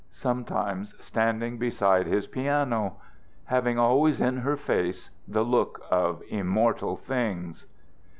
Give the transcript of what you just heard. Sometimes standing beside his piano. Having always in her face the look of immortal things.